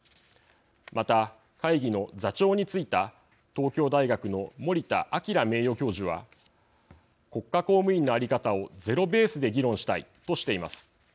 また、会議の座長に就いた東京大学の森田朗名誉教授は「国家公務員の在り方をゼロベースで議論したい」としています。